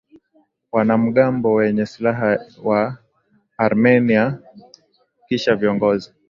wanamgambo wenye silaha wa Armenia Kisha viongozi